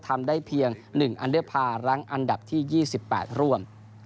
ทำได้เพียง๑อันเดอร์พาร์รั้งอันดับที่๒๘ร่วม